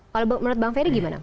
kalau menurut bang ferry gimana